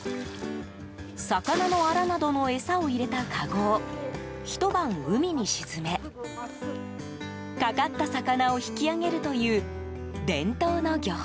魚のあらなどの餌を入れたかごをひと晩、海に沈めかかった魚を引き揚げるという伝統の漁法。